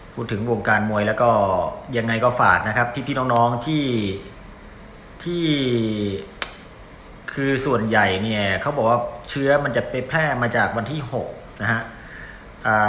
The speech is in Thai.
พูดถึงวงการมวยแล้วก็ยังไงก็ฝากนะครับพี่น้องที่ที่คือส่วนใหญ่เนี่ยเขาบอกว่าเชื้อมันจะไปแพร่มาจากวันที่๖นะฮะ